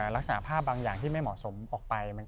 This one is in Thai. ลักษณะภาพบางอย่างที่ไม่เหมาะสมออกไป